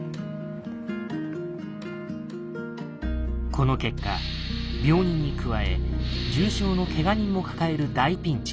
この結果病人に加え重傷のケガ人も抱える大ピンチに。